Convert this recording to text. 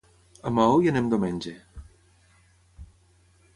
A Maó hi anem diumenge.